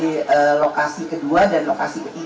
di lokasi kedua dan lokasi ketiga